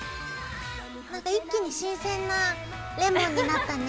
なんか一気に新鮮なレモンになったね。